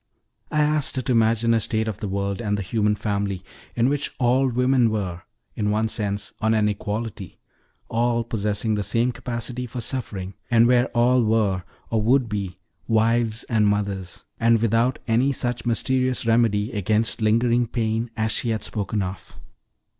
I asked her to imagine a state of the world and the human family, in which all women were, in one sense, on an equality all possessing the same capacity for suffering; and where all were, or would be, wives and mothers, and without any such mysterious remedy against lingering pain as she had spoken of.